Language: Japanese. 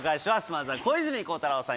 まずは小泉孝太郎さん